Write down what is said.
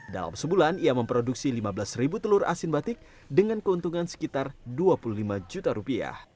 dalam sebulan ia memproduksi lima belas telur asin batik dengan keuntungan sekitar rp dua puluh lima